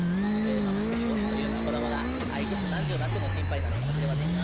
まあまあしかし親というのは子供がいくつ何十になっても心配なのかもしれませんが。